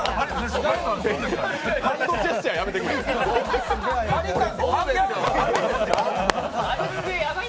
ハンドジェスチャーやめてください。